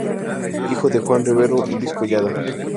Hijo de Juan Rivero y Luisa Collada.